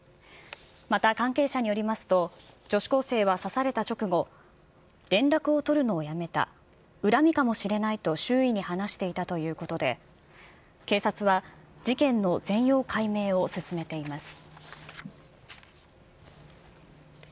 また関係者によりますと、女子高生は刺された直後、連絡を取るのをやめた、恨みかもしれないと周囲に話していたということで、警察は事件の全容解明を進めています。